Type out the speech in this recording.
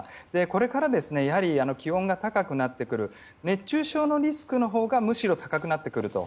これからやはり気温が高くなってきて熱中症のリスクのほうがむしろ高くなってくると。